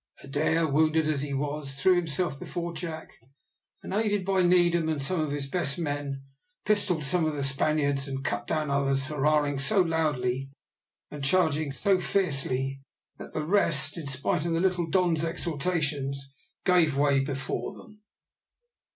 Adair, wounded as he was, threw himself before Jack, and, aided by Needham and some of his best men, pistoled some of the Spaniards and cut down others, hurrahing so loudly, and charging so fiercely, that the rest, in spite of the little Don's exhortations, gave way before them.